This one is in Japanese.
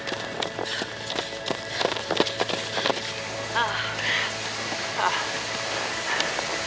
ああ。